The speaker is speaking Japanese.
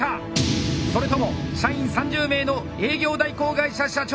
それとも社員３０名の営業代行会社社長